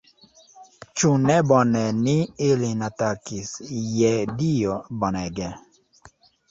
Ĉu ne bone ni ilin atakis, je Dio, bonege!